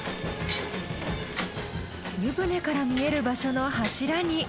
湯船から見える場所の柱に。